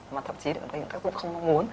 mà thậm chí được bệnh tác dụng không có muốn